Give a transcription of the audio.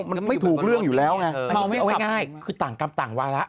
มันไม่ถูกเรื่องอยู่แล้วไงไม่เอาง่ายคือต่างกรรมต่างวาระ